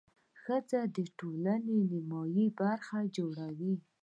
ښځه د ټولنې نیمایي برخه جوړوي.